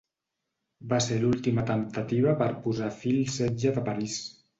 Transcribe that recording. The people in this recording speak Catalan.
Va ser l'última temptativa per posar fi al setge de París.